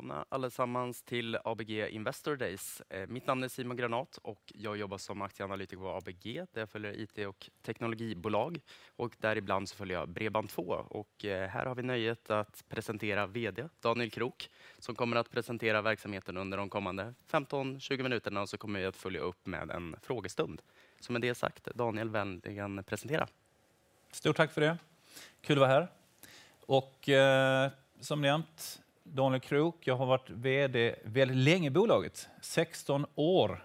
Välkomna allesammans till ABG Investor Days. Mitt namn är Simon Granat och jag jobbar som aktieanalytiker på ABG, där jag följer IT- och teknologibolag och däribland så följer jag Bredband2. Här har vi nöjet att presentera VD Daniel Krook, som kommer att presentera verksamheten under de kommande femton, tjugo minuterna. Så kommer vi att följa upp med en frågestund. Som sagt, Daniel, vänligen presentera. Stort tack för det. Kul att vara här. Och som nämnt, Daniel Krook, jag har varit VD väldigt länge i bolaget, sexton år.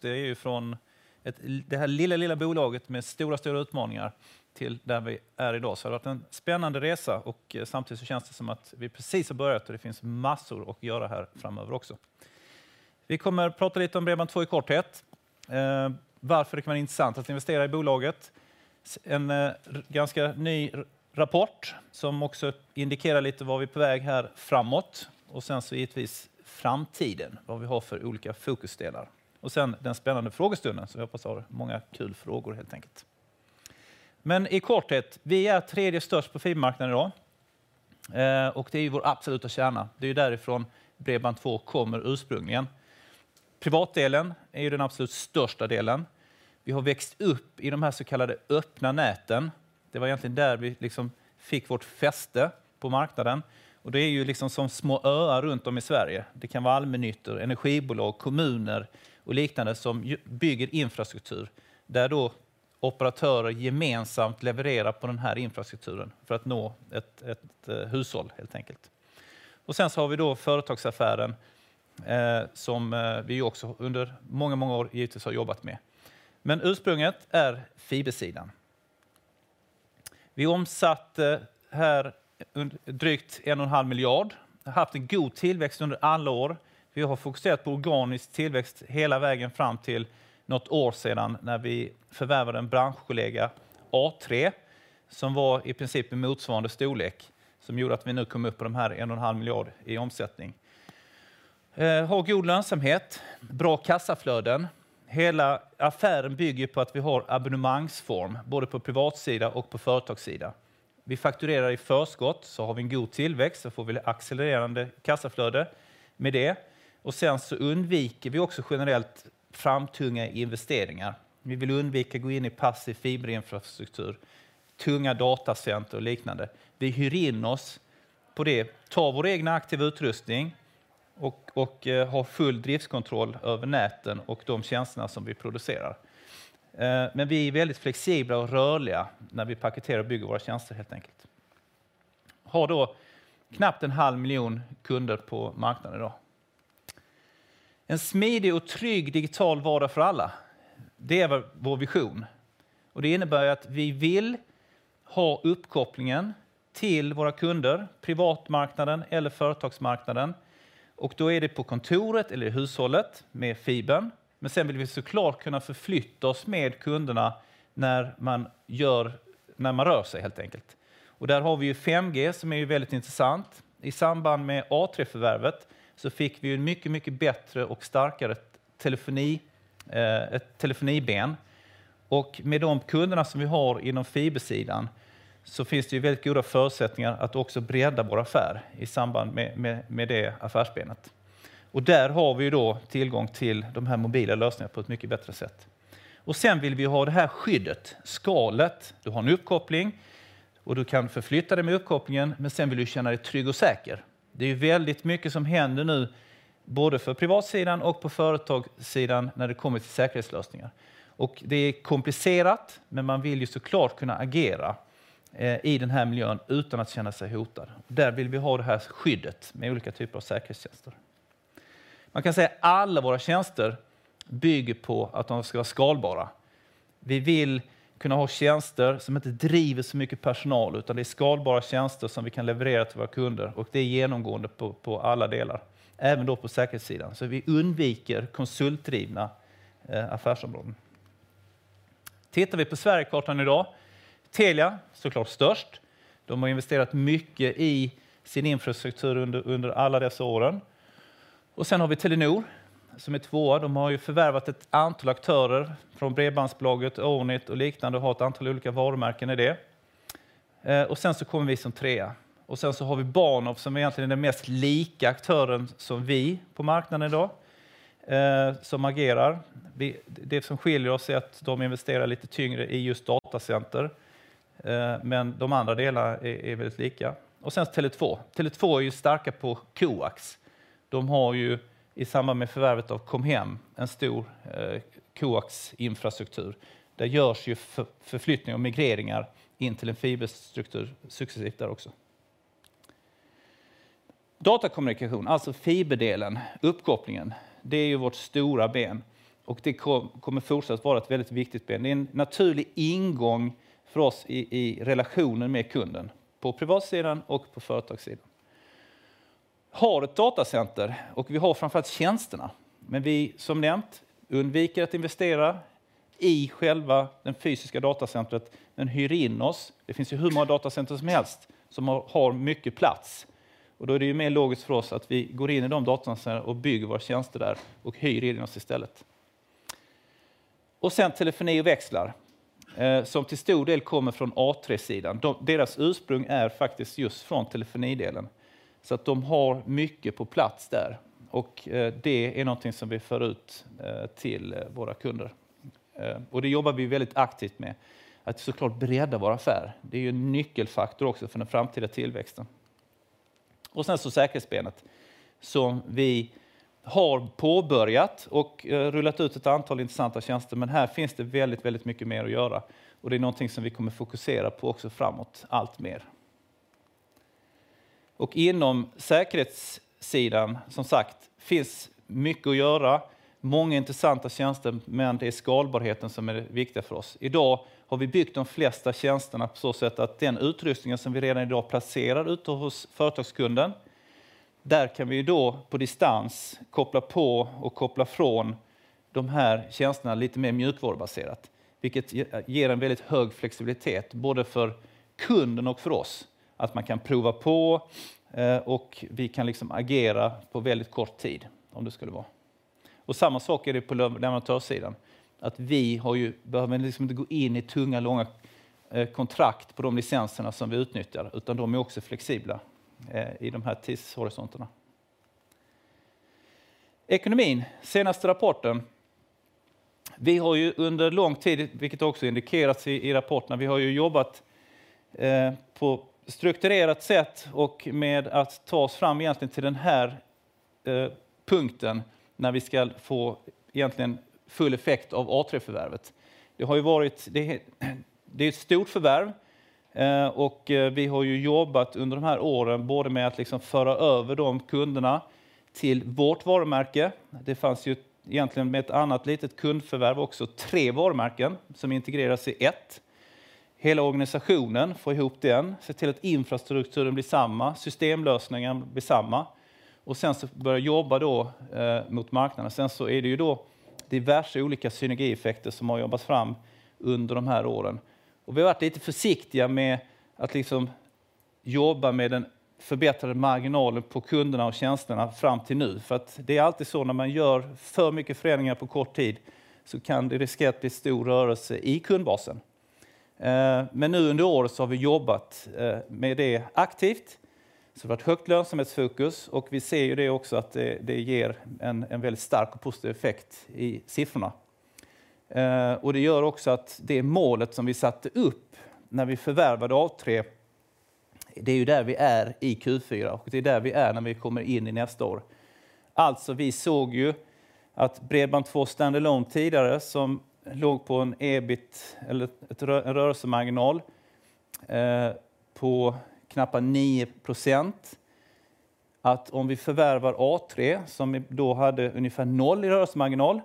Det är ju från ett, det här lilla, lilla bolaget med stora, stora utmaningar till där vi är idag. Det har varit en spännande resa och samtidigt så känns det som att vi precis har börjat och det finns massor att göra här framöver också. Vi kommer att prata lite om Bredband2 i korthet. Varför det kan vara intressant att investera i bolaget. En ganska ny rapport som också indikerar lite var vi är på väg här framåt och sen så givetvis framtiden, vad vi har för olika fokusdelar. Sen den spännande frågestunden, så jag hoppas ha många kul frågor, helt enkelt. Men i korthet, vi är tredje störst på fibermarknaden idag, och det är ju vår absoluta kärna. Det är ju därifrån Bredband2 kommer ursprungligen. Privatdelen är ju den absolut största delen. Vi har växt upp i de här så kallade öppna näten. Det var egentligen där vi fick vårt fäste på marknaden, och det är ju som små öar runtom i Sverige. Det kan vara allmännyttor, energibolag, kommuner och liknande som bygger infrastruktur, där då operatörer gemensamt levererar på den här infrastrukturen för att nå ett hushåll, helt enkelt. Och sen så har vi då företagsaffären, som vi också under många, många år givetvis har jobbat med. Men ursprunget är fibersidan. Vi omsatte här drygt en och en halv miljard. Vi har haft en god tillväxt under alla år. Vi har fokuserat på organisk tillväxt hela vägen fram till något år sedan, när vi förvärvade en branschkollega, A3, som var i princip en motsvarande storlek, som gjorde att vi nu kom upp på den här 1,5 miljarder i omsättning. Har god lönsamhet, bra kassaflöden. Hela affären bygger på att vi har abonnemangsform, både på privatsida och på företagssida. Vi fakturerar i förskott, så har vi en god tillväxt, så får vi accelererande kassaflöde med det. Och sen så undviker vi också generellt framtunga investeringar. Vi vill undvika gå in i passiv fiberinfrastruktur, tunga datacenter och liknande. Vi hyr in oss på det, tar vår egen aktiva utrustning och har full driftskontroll över näten och de tjänsterna som vi producerar. Men vi är väldigt flexibla och rörliga när vi paketerar och bygger våra tjänster, helt enkelt. Har då knappt en halv miljon kunder på marknaden idag. En smidig och trygg digital vardag för alla, det är vår vision. Det innebär att vi vill ha uppkopplingen till våra kunder, privatmarknaden eller företagsmarknaden, på kontoret eller i hushållet med fibern. Men sen vill vi så klart kunna förflytta oss med kunderna när man rör sig, helt enkelt. Där har vi ju 5G, som är väldigt intressant. I samband med A3-förvärvet så fick vi ju en mycket, mycket bättre och starkare telefoni, ett telefoniben. Med de kunderna som vi har inom fibersidan så finns det ju väldigt goda förutsättningar att också bredda vår affär i samband med det affärsbenet. Där har vi då tillgång till de här mobila lösningarna på ett mycket bättre sätt. Sen vill vi ha det här skyddet, skalet. Du har en uppkoppling och du kan förflytta dig med uppkopplingen, men sen vill du känna dig trygg och säker. Det är väldigt mycket som händer nu, både för privatsidan och på företagssidan, när det kommer till säkerhetslösningar. Det är komplicerat, men man vill ju så klart kunna agera i den här miljön utan att känna sig hotad. Där vill vi ha det här skyddet med olika typer av säkerhetstjänster. Man kan säga att alla våra tjänster bygger på att de ska vara skalbara. Vi vill kunna ha tjänster som inte driver så mycket personal, utan det är skalbara tjänster som vi kan leverera till våra kunder och det är genomgående på alla delar, även då på säkerhetssidan. Vi undviker konsultdrivna affärsområden. Tittar vi på Sverigekartan idag, Telia så klart störst. De har investerat mycket i sin infrastruktur under alla dessa åren. Och sedan har vi Telenor, som är tvåa. De har ju förvärvat ett antal aktörer från Bredbandsbolaget, Oneit och liknande och har ett antal olika varumärken i det. Och sen så kommer vi som trea. Och sen så har vi Bahnhof, som egentligen är den mest lika aktören som vi på marknaden idag, som agerar. Det som skiljer oss är att de investerar lite tyngre i just datacenter, men de andra delarna är väldigt lika. Och sen Tele2. Tele2 är ju starka på Coax. De har ju i samband med förvärvet av Comhem, en stor Coax infrastruktur. Det görs ju förflyttning och migreringar in till en fiberstruktur successivt där också. Datakommunikation, alltså fiberdelen, uppkopplingen, det är ju vårt stora ben och det kommer fortsatt vara ett väldigt viktigt ben. Det är en naturlig ingång för oss i relationen med kunden, på privatsidan och på företagssidan. Har ett datacenter och vi har framför allt tjänsterna, men vi, som nämnt, undviker att investera i själva den fysiska datacentret, men hyr in oss. Det finns ju hur många datacenter som helst som har mycket plats och då är det mer logiskt för oss att vi går in i de datacentren och bygger våra tjänster där och hyr in oss istället. Och sen telefoni och växlar, som till stor del kommer från A3 sidan. Deras ursprung är faktiskt just från telefonidelen, så att de har mycket på plats där och det är någonting som vi för ut till våra kunder. Och det jobbar vi väldigt aktivt med, att så klart bredda vår affär. Det är ju en nyckelfaktor också för den framtida tillväxten. Och sen så säkerhetsbenet, som vi har påbörjat och rullat ut ett antal intressanta tjänster, men här finns det väldigt, väldigt mycket mer att göra och det är någonting som vi kommer fokusera på också framåt allt mer. Inom säkerhetssidan, som sagt, finns mycket att göra, många intressanta tjänster, men det är skalbarheten som är viktig för oss. Idag har vi byggt de flesta tjänsterna på så sätt att den utrustningen som vi redan idag placerar ute hos företagskunden, där kan vi då på distans koppla på och koppla från de här tjänsterna lite mer mjukvarubaserat, vilket ger en väldigt hög flexibilitet både för kunden och för oss. Att man kan prova på och vi kan liksom agera på väldigt kort tid om det skulle vara. Samma sak är det på leverantörssidan. Att vi har ju, behöver liksom inte gå in i tunga, långa kontrakt på de licenserna som vi utnyttjar, utan de är också flexibla i de här tidshorisonterna. Ekonomin, senaste rapporten. Vi har ju under lång tid, vilket också indikerats i rapporterna, vi har ju jobbat på strukturerat sätt och med att ta oss fram egentligen till den här punkten när vi ska få egentligen full effekt av A3-förvärvet. Det har ju varit, det är ett stort förvärv och vi har ju jobbat under de här åren, både med att liksom föra över de kunderna till vårt varumärke. Det fanns ju egentligen med ett annat litet kundförvärv också, tre varumärken som integreras i ett. Hela organisationen, få ihop den, se till att infrastrukturen blir samma, systemlösningen blir samma och sen så börja jobba då mot marknaden. Sen så är det ju då diverse olika synergieffekter som har jobbats fram under de här åren. Vi har varit lite försiktiga med att jobba med den förbättrade marginalen på kunderna och tjänsterna fram till nu. För att det är alltid så när man gör för mycket förändringar på kort tid, så kan det riskera att bli stor rörelse i kundbasen. Men nu under året har vi jobbat med det aktivt. Det har varit högt lönsamhetsfokus och vi ser ju det också att det ger en väldigt stark och positiv effekt i siffrorna. Det gör också att det målet som vi satte upp när vi förvärvade A3, det är ju där vi är i Q4 och det är där vi är när vi kommer in i nästa år. Alltså, vi såg ju att Bredband2 standalone tidigare, som låg på en EBIT eller ett rörelsemarginal på knappa 9%, att om vi förvärvar A3, som då hade ungefär noll i rörelsemarginal,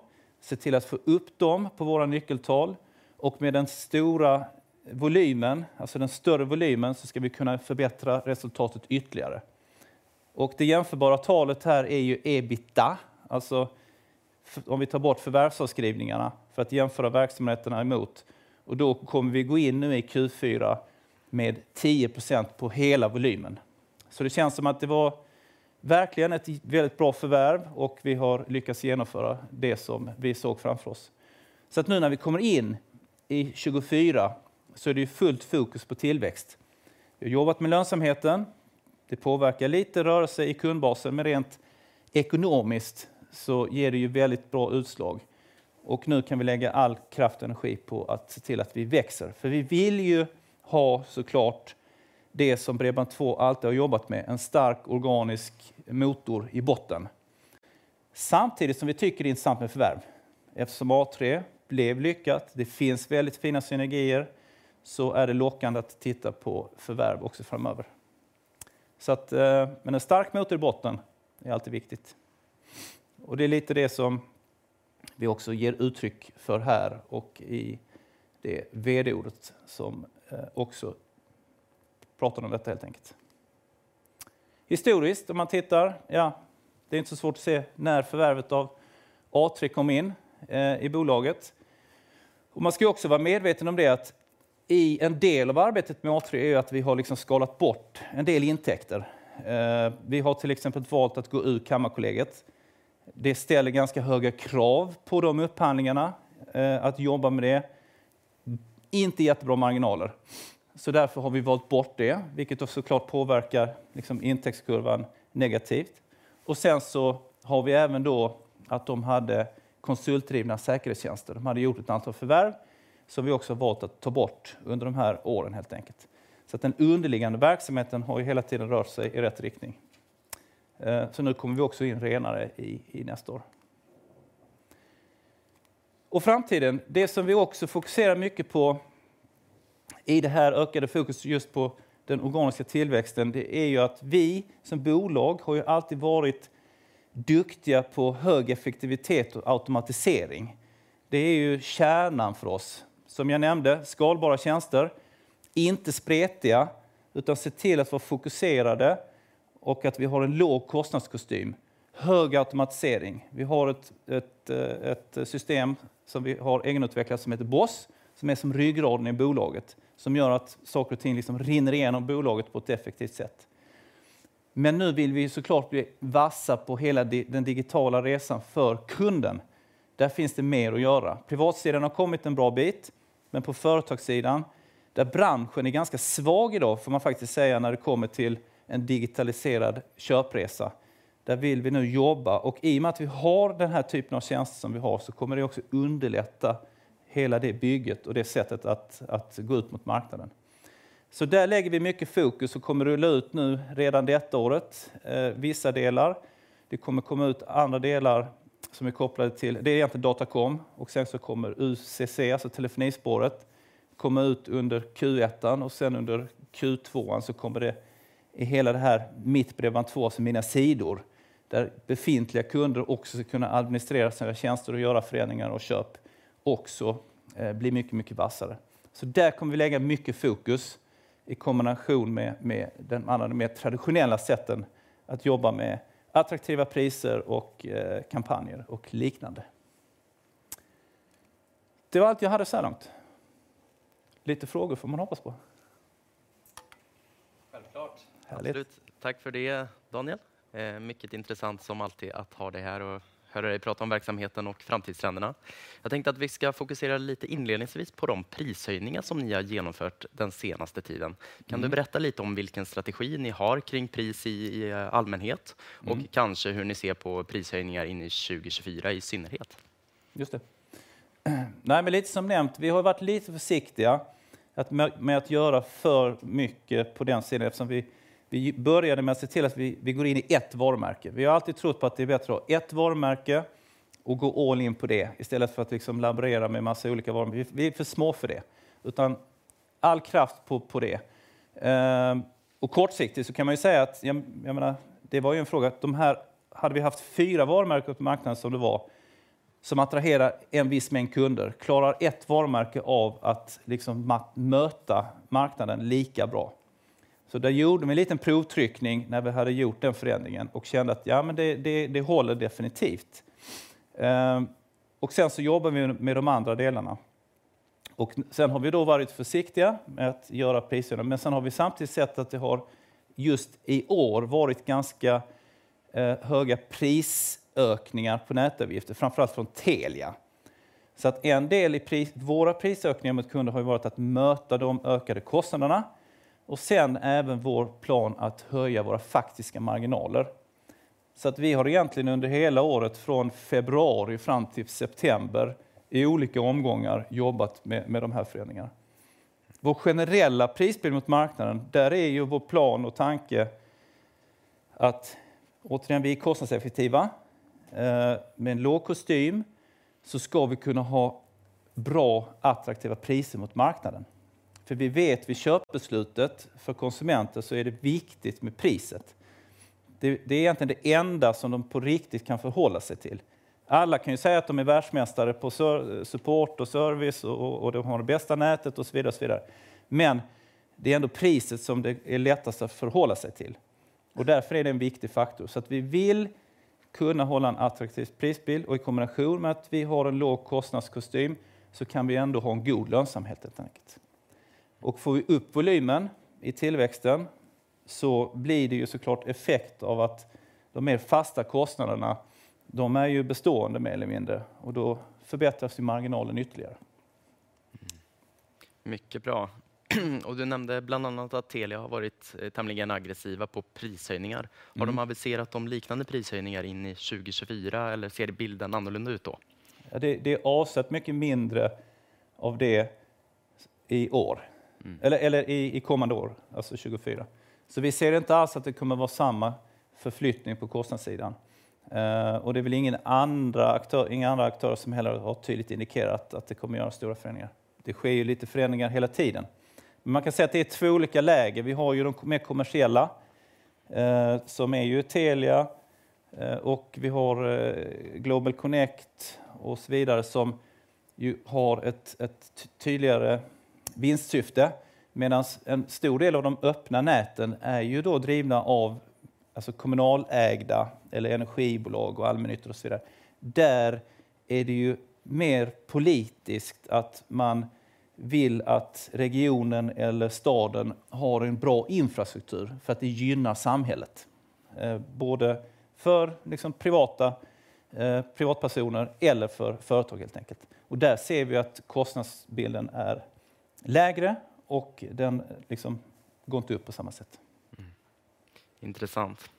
se till att få upp dem på våra nyckeltal och med den stora volymen, alltså den större volymen, så ska vi kunna förbättra resultatet ytterligare. Och det jämförbara talet här är ju EBITDA, alltså om vi tar bort förvärvsavskrivningarna för att jämföra verksamheterna emot, och då kommer vi gå in nu i Q4 med 10% på hela volymen. Så det känns som att det var verkligen ett väldigt bra förvärv och vi har lyckats genomföra det som vi såg framför oss. Så att nu när vi kommer in i 2024, så är det fullt fokus på tillväxt. Vi har jobbat med lönsamheten. Det påverkar lite rörelse i kundbasen, men rent ekonomiskt så ger det ju väldigt bra utslag. Nu kan vi lägga all kraft och energi på att se till att vi växer. För vi vill ju ha så klart det som Bredband2 alltid har jobbat med, en stark organisk motor i botten. Samtidigt som vi tycker det är intressant med förvärv. Eftersom A3 blev lyckat, det finns väldigt fina synergier, så är det lockande att titta på förvärv också framöver. Men en stark motor i botten är alltid viktigt. Det är lite det som vi också ger uttryck för här och i det VD-ordet som också pratar om detta, helt enkelt. Historiskt, om man tittar, ja, det är inte så svårt att se när förvärvet av A3 kom in i bolaget. Man ska ju också vara medveten om det att i en del av arbetet med A3 är att vi har liksom skalat bort en del intäkter. Vi har till exempel valt att gå ur Kammarkollegiet. Det ställer ganska höga krav på de upphandlingarna, att jobba med det. Inte jättebra marginaler. Så därför har vi valt bort det, vilket då så klart påverkar intäktskurvan negativt. Och sen så har vi även då att de hade konsultdrivna säkerhetstjänster. De hade gjort ett antal förvärv som vi också har valt att ta bort under de här åren, helt enkelt. Så den underliggande verksamheten har ju hela tiden rört sig i rätt riktning. Så nu kommer vi också in renare i nästa år. Och framtiden, det som vi också fokuserar mycket på i det här ökade fokus just på den organiska tillväxten, det är ju att vi som bolag har ju alltid varit duktiga på hög effektivitet och automatisering. Det är ju kärnan för oss. Som jag nämnde, skalbara tjänster, inte spretiga, utan se till att vara fokuserade och att vi har en låg kostnadskostym, hög automatisering. Vi har ett system som vi har egenutvecklat som heter Boss, som är som ryggraden i bolaget, som gör att saker och ting rinner igenom bolaget på ett effektivt sätt. Men nu vill vi så klart bli vassa på hela den digitala resan för kunden. Där finns det mer att göra. Privatsidan har kommit en bra bit, men på företagssidan, där branschen är ganska svag idag, får man faktiskt säga när det kommer till en digitaliserad köpresa. Där vill vi nu jobba och i och med att vi har den här typen av tjänster som vi har, så kommer det också underlätta hela det bygget och det sättet att gå ut mot marknaden. Så där lägger vi mycket fokus och kommer att rulla ut nu redan detta året vissa delar. Det kommer komma ut andra delar som är kopplade till, det är egentligen Datacom och sen så kommer UCC, alltså telefonispåret, komma ut under Q1 och sen under Q2 så kommer det i hela det här Mitt bredband två, som är mina sidor, där befintliga kunder också ska kunna administrera sina tjänster och göra förändringar och köp, också bli mycket, mycket vassare. Så där kommer vi lägga mycket fokus i kombination med den andra, de mer traditionella sätten att jobba med attraktiva priser och kampanjer och liknande. Det var allt jag hade så här långt. Lite frågor får man hoppas på? Självklart. Härligt. Tack för det, Daniel. Mycket intressant som alltid att ha dig här och höra dig prata om verksamheten och framtidsländerna. Jag tänkte att vi ska fokusera lite inledningsvis på de prishöjningar som ni har genomfört den senaste tiden. Kan du berätta lite om vilken strategi ni har kring pris i allmänhet och kanske hur ni ser på prishöjningar in i 2024 i synnerhet? Just det. Nej, men lite som nämnt, vi har varit lite försiktiga med att göra för mycket på den sidan, eftersom vi började med att se till att vi går in i ett varumärke. Vi har alltid trott på att det är bättre att ha ett varumärke och gå all in på det i stället för att laborera med en massa olika varumärken. Vi är för små för det, utan all kraft på det. Kortsiktigt så kan man ju säga att, jag menar, det var ju en fråga att de här hade vi haft fyra varumärken på marknaden som det var, som attraherar en viss mängd kunder. Klarar ett varumärke av att möta marknaden lika bra? Så där gjorde vi en liten provtryckning när vi hade gjort den förändringen och kände att ja, men det håller definitivt. Och sen så jobbar vi med de andra delarna. Och sen har vi då varit försiktiga med att göra prishöjningar, men sen har vi samtidigt sett att det har just i år varit ganska höga prisökningar på nätavgifter, framför allt från Telia. Så att en del i pris, våra prisökningar mot kunder har ju varit att möta de ökade kostnaderna och sedan även vår plan att höja våra faktiska marginaler. Så att vi har egentligen under hela året, från februari fram till september, i olika omgångar jobbat med de här förändringarna. Vår generella prisbild mot marknaden, där är ju vår plan och tanke att återigen, vi är kostnadseffektiva. Med en låg kostym, så ska vi kunna ha bra, attraktiva priser mot marknaden. För vi vet, vid köpbeslutet för konsumenter, så är det viktigt med priset. Det är egentligen det enda som de på riktigt kan förhålla sig till. Alla kan ju säga att de är världsmästare på support och service och de har det bästa nätet och så vidare och så vidare. Men det är ändå priset som det är lättast att förhålla sig till och därför är det en viktig faktor. Så att vi vill kunna hålla en attraktiv prisbild och i kombination med att vi har en låg kostnadskostym, så kan vi ändå ha en god lönsamhet helt enkelt. Får vi upp volymen i tillväxten så blir det ju så klart effekt av att de mer fasta kostnaderna, de är ju bestående mer eller mindre och då förbättras ju marginalen ytterligare. Mycket bra. Du nämnde bland annat att Telia har varit tämligen aggressiva på prishöjningar. Har de aviserat om liknande prishöjningar in i 2024? Eller ser bilden annorlunda ut då? Det är avsett mycket mindre av det i år, eller i kommande år, alltså 2024. Så vi ser inte alls att det kommer vara samma förflyttning på kostnadssidan. Det är väl inga andra aktörer som heller har tydligt indikerat att det kommer att göra stora förändringar. Det sker ju lite förändringar hela tiden. Man kan säga att det är två olika lägen. Vi har ju de mer kommersiella, som är ju Telia och vi har Global Connect och så vidare, som ju har ett tydligare vinstsyfte. Medan en stor del av de öppna näten är ju då drivna av alltså kommunalägda eller energibolag och allmännytta och så vidare. Där är det ju mer politiskt att man vill att regionen eller staden har en bra infrastruktur för att det gynnar samhället, både för privatpersoner eller för företag, helt enkelt. Och där ser vi att kostnadsbilden är lägre och den liksom går inte upp på samma sätt. Intressant.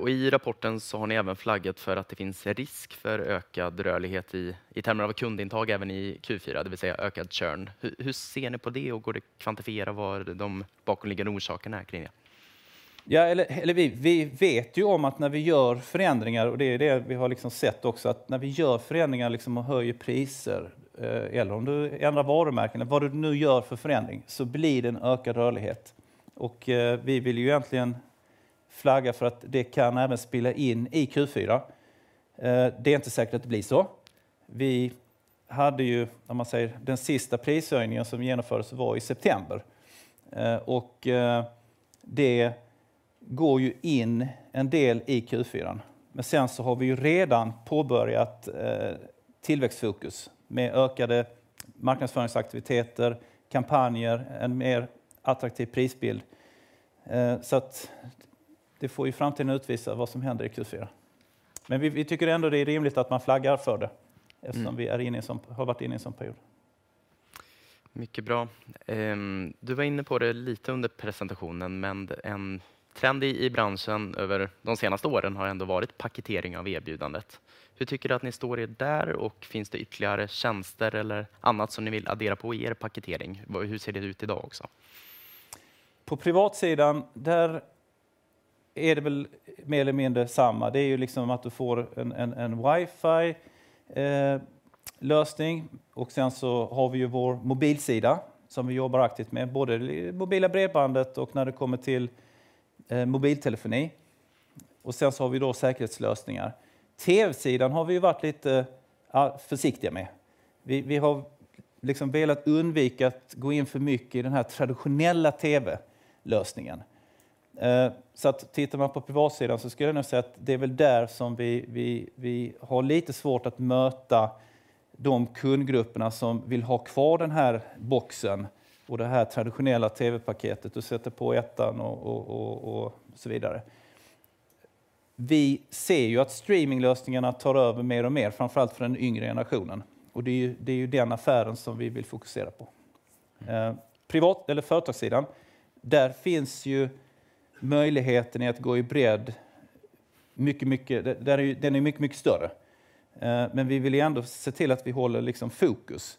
Och i rapporten så har ni även flaggat för att det finns risk för ökad rörlighet i termer av kundintag, även i Q4, det vill säga ökad churn. Hur ser ni på det och går det att kvantifiera vad de bakomliggande orsakerna är kring det? Ja, eller vi vet ju om att när vi gör förändringar, och det är det vi har sett också, att när vi gör förändringar och höjer priser eller om du ändrar varumärkena, vad du nu gör för förändring, så blir det en ökad rörlighet. Och vi vill ju egentligen flagga för att det kan även spela in i Q4. Det är inte säkert att det blir så. Vi hade ju, om man säger, den sista prishöjningen som genomfördes var i september. Och det går ju in en del i Q4. Men sen så har vi redan påbörjat tillväxtfokus med ökade marknadsföringsaktiviteter, kampanjer, en mer attraktiv prisbild. Så att det får i framtiden utvisa vad som händer i Q4. Men vi tycker ändå det är rimligt att man flaggar för det, eftersom vi är inne i en, har varit inne i en sådan period. Mycket bra. Du var inne på det lite under presentationen, men en trend i branschen över de senaste åren har ändå varit paketering av erbjudandet. Hur tycker du att ni står er där? Och finns det ytterligare tjänster eller annat som ni vill addera på i er paketering? Hur ser det ut idag också? På privatsidan, där är det väl mer eller mindre samma. Det är ju liksom att du får en wifi-lösning och sedan så har vi ju vår mobilsida som vi jobbar aktivt med, både det mobila bredbandet och när det kommer till mobiltelefoni. Sen så har vi då säkerhetslösningar. TV-sidan har vi varit lite försiktiga med. Vi har liksom velat undvika att gå in för mycket i den här traditionella TV-lösningen. Så att tittar man på privatsidan så skulle jag nog säga att det är väl där som vi har lite svårt att möta de kundgrupperna som vill ha kvar den här boxen och det här traditionella TV-paketet och sätter på ettan och så vidare. Vi ser ju att streaminglösningarna tar över mer och mer, framför allt för den yngre generationen. Det är ju den affären som vi vill fokusera på. Privat- eller företagssidan, där finns ju möjligheten att gå i bredd mycket, mycket, den är mycket, mycket större. Men vi vill ändå se till att vi håller fokus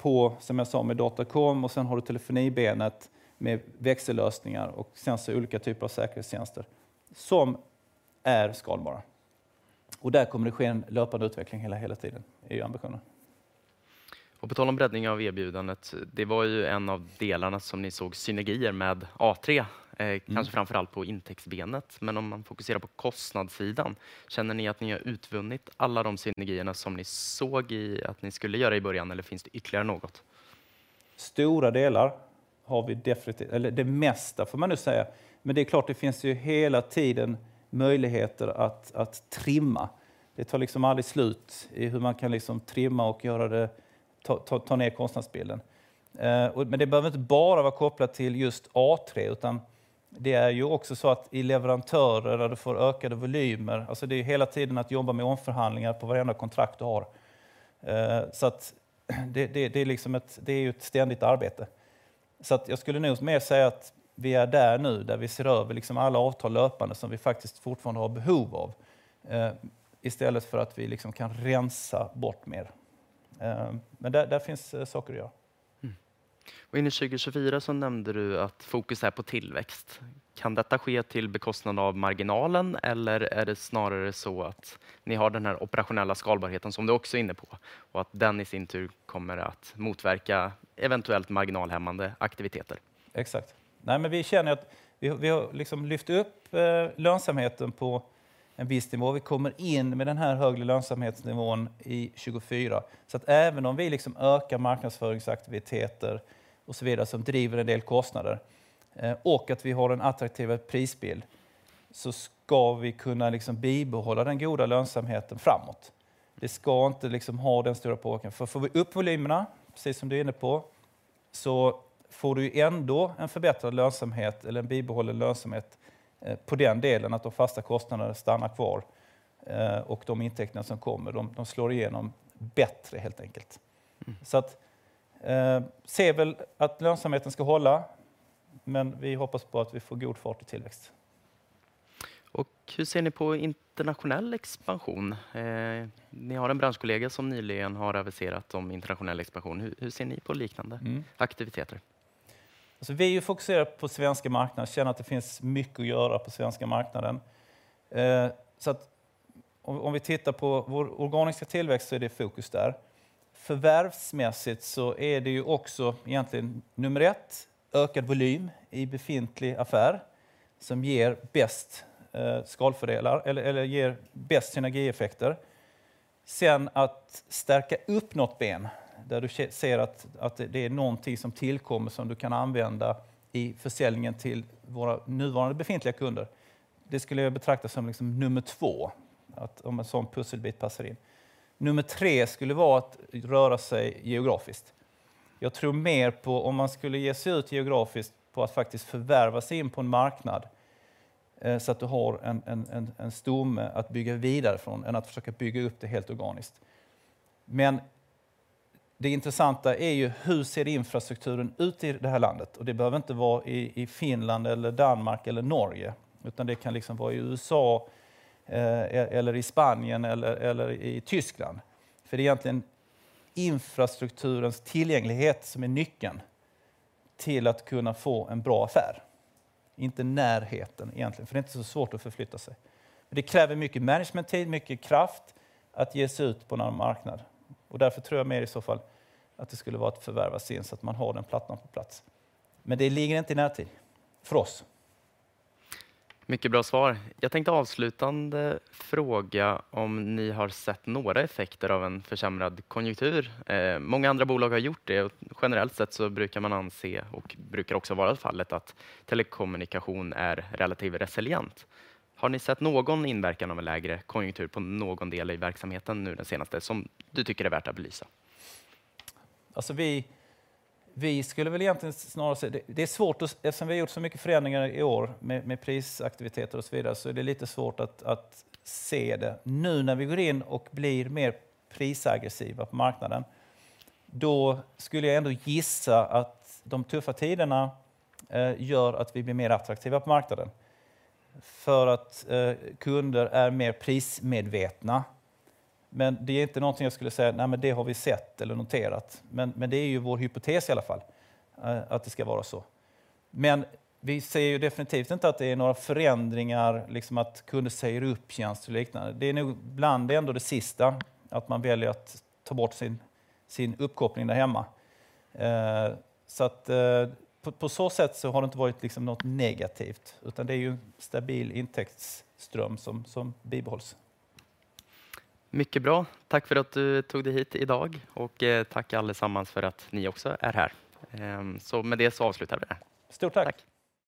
på, som jag sa, med dotcom och sedan har du telefonibenet med växellösningar och sen så olika typer av säkerhetstjänster som är skalbara. Och där kommer det ske en löpande utveckling hela, hela tiden är ju ambitionen. Och på tal om breddning av erbjudandet, det var ju en av delarna som ni såg synergier med A3, kanske framför allt på intäktsbenet. Men om man fokuserar på kostnadssidan, känner ni att ni har utvunnit alla de synergierna som ni såg i att ni skulle göra i början? Eller finns det ytterligare något? Stora delar har vi definitivt, eller det mesta får man nu säga, men det är klart, det finns ju hela tiden möjligheter att trimma. Det tar liksom aldrig slut i hur man kan trimma och göra det, ta ner kostnadsbilden. Men det behöver inte bara vara kopplat till just A3, utan det är ju också så att i leverantörer där du får ökade volymer. Det är hela tiden att jobba med omförhandlingar på varenda kontrakt du har. Så att det är ju ett ständigt arbete. Så att jag skulle nog mer säga att vi är där nu, där vi ser över alla avtal löpande som vi faktiskt fortfarande har behov av, i stället för att vi kan rensa bort mer. Men där finns saker att göra. Och in i 2024 så nämnde du att fokus är på tillväxt. Kan detta ske till bekostnad av marginalen? Eller är det snarare så att ni har den här operationella skalbarheten som du också är inne på och att den i sin tur kommer att motverka eventuellt marginalhämmande aktiviteter? Exakt. Nej, men vi känner att vi har lyft upp lönsamheten på en viss nivå. Vi kommer in med den här högre lönsamhetsnivån i 2024. Så att även om vi ökar marknadsföringsaktiviteter och så vidare, som driver en del kostnader och att vi har en attraktivare prisbild, så ska vi kunna bibehålla den goda lönsamheten framåt. Det ska inte ha den stora påverkan. För får vi upp volymerna, precis som du är inne på, så får du ändå en förbättrad lönsamhet eller en bibehållen lönsamhet på den delen, att de fasta kostnaderna stannar kvar och de intäkterna som kommer, de slår igenom bättre helt enkelt. Så att, ser väl att lönsamheten ska hålla, men vi hoppas på att vi får god fart och tillväxt. Och hur ser ni på internationell expansion? Ni har en branschkollega som nyligen har aviserat om internationell expansion. Hur ser ni på liknande aktiviteter? Vi är ju fokuserade på svenska marknaden, känner att det finns mycket att göra på svenska marknaden. Så att om vi tittar på vår organiska tillväxt så är det fokus där. Förvärvsmässigt så är det ju också egentligen nummer ett, ökad volym i befintlig affär som ger bäst skalfördelar eller ger bäst synergieffekter. Sen att stärka upp något ben där du ser att det är någonting som tillkommer som du kan använda i försäljningen till våra nuvarande befintliga kunder. Det skulle jag betrakta som liksom nummer två, att om en sådan pusselbit passar in. Nummer tre skulle vara att röra sig geografiskt. Jag tror mer på om man skulle ge sig ut geografiskt på att faktiskt förvärva sig in på en marknad, så att du har en stomme att bygga vidare från än att försöka bygga upp det helt organiskt. Men det intressanta är ju, hur ser infrastrukturen ut i det här landet? Och det behöver inte vara i Finland eller Danmark eller Norge, utan det kan vara i USA eller i Spanien eller i Tyskland. För det är egentligen infrastrukturens tillgänglighet som är nyckeln till att kunna få en bra affär. Inte närheten egentligen, för det är inte så svårt att förflytta sig. Det kräver mycket managementtid, mycket kraft att ge sig ut på en annan marknad. Och därför tror jag mer i så fall att det skulle vara att förvärva sig in så att man har den plattan på plats. Men det ligger inte i närtid för oss. Mycket bra svar. Jag tänkte avslutande fråga om ni har sett några effekter av en försämrad konjunktur. Många andra bolag har gjort det. Generellt sett så brukar man anse och brukar också vara fallet, att telekommunikation är relativt resilient. Har ni sett någon inverkan av en lägre konjunktur på någon del i verksamheten nu den senaste som du tycker är värt att belysa? Alltså, vi skulle väl egentligen snarare se... Det är svårt att, eftersom vi har gjort så mycket förändringar i år med prisaktiviteter och så vidare, så är det lite svårt att se det. Nu när vi går in och blir mer prisaggressiva på marknaden, då skulle jag ändå gissa att de tuffa tiderna gör att vi blir mer attraktiva på marknaden. För att kunder är mer prismedvetna. Men det är inte någonting jag skulle säga: Nej, men det har vi sett eller noterat. Men det är ju vår hypotes i alla fall, att det ska vara så. Men vi ser ju definitivt inte att det är några förändringar, att kunder säger upp tjänster och liknande. Det är nog bland det ändå det sista att man väljer att ta bort sin uppkoppling där hemma. Så att på så sätt så har det inte varit något negativt, utan det är ju en stabil intäktsström som bibehålls. Mycket bra. Tack för att du tog dig hit idag och tack allesammans för att ni också är här. Så med det så avslutar vi det. Stort tack!